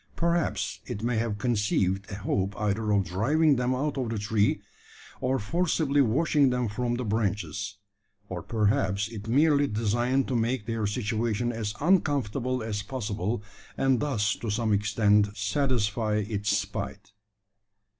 Perhaps it may have conceived a hope either of driving them out of the tree, or forcibly washing them from the branches; or perhaps it merely designed to make their situation as uncomfortable as possible, and thus to some extent satisfy its spite.